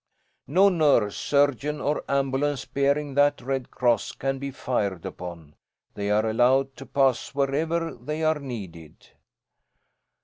No nurse, surgeon, or ambulance bearing that Red Cross can be fired upon. They are allowed to pass wherever they are needed.